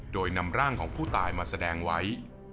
โดยนำร่างของผู้ตายมาแสดงไว้